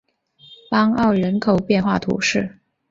邦奥人口变化图示